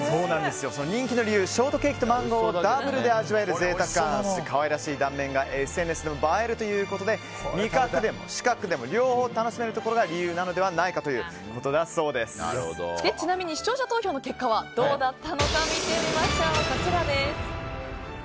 人気の理由ショートケーキとマンゴーをダブルで味わえる贅沢感そして可愛らしい断面がＳＮＳでも映えるということで味覚でも視覚でも両方楽しめるところが人気の理由なのではないかちなみに視聴者投票の結果を見てみましょう。